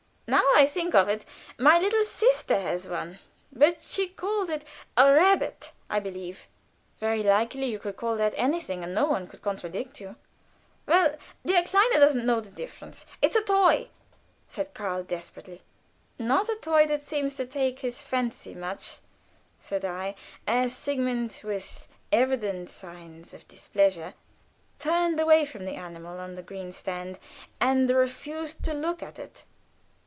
"Now I think of it, my little sister has one, but she calls it a rabbit, I believe." "Very likely. You might call that anything, and no one could contradict you." "Well, der Kleine doesn't know the difference; it's a toy," said Karl, desperately. "Not a toy that seems to take his fancy much," said I, as Sigmund, with evident signs of displeasure, turned away from the animal on the green stand, and refused to look at it.